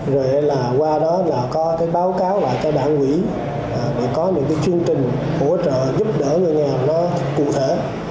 rồi qua đó là có báo cáo lại cho đảng quỹ để có những chương trình hỗ trợ giúp đỡ người nghèo cụ thể